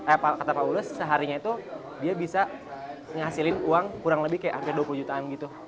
eh kata pak ulus seharinya itu dia bisa menghasilkan uang kurang lebih kayak hampir dua puluh jutaan gitu